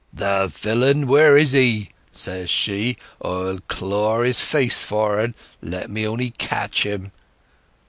'The villain—where is he?' says she. 'I'll claw his face for'n, let me only catch him!